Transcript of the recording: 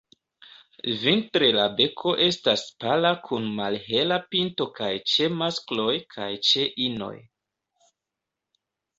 Vintre la beko estas pala kun malhela pinto kaj ĉe maskloj kaj ĉe inoj.